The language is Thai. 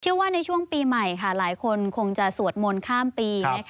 ว่าในช่วงปีใหม่หลายคนคงจะสวดมนต์ข้ามปี